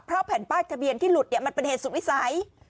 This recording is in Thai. เพราะแผ่นป้ายทะเบียนที่หลุดมันเป็นเหตุสุดวิสัย